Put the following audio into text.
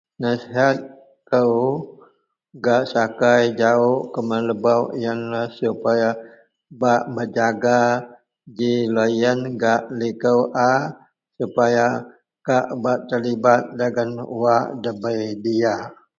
Nasihat kou gak sakai jawok keman lebok iyenlah supaya bak mejaga ji loyen gak liko a supaya kak bak talibat dagen wak dabei diyak.